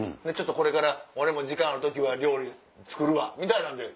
これから俺も時間ある時は料理作るわ！みたいなんで。